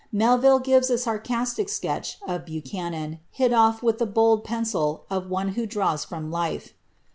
Melville gives a sarcastic sketch of Buchanan, hit off with the bold pencil of one who draws from the life.